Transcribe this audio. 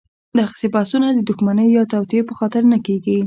دغسې بحثونه د دښمنۍ یا توطیې په خاطر نه کېږي.